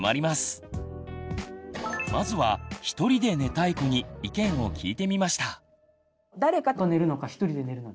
まずはひとりで寝たい子に意見を聞いてみました。